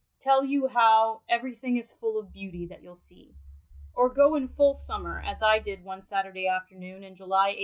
tell you how everything is full of beauty" that you'll see ; or go in full summer, as I did one Saturday afternoon in July, 1874.